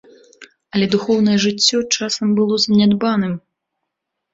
Але духоўнае жыццё часам было занядбаным.